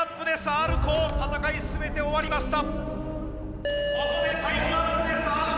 Ｒコー戦い全て終わりました。